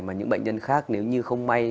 mà những bệnh nhân khác nếu như không may